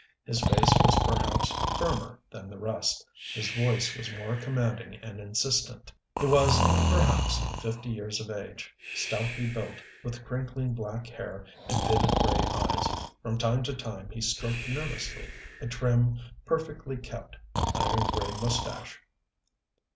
His face was perhaps firmer than the rest his voice was more commanding and insistent. He was, perhaps, fifty years of age, stoutly built, with crinkling black hair and vivid, gray eyes. From time to time he stroked nervously a trim, perfectly kept iron gray mustache.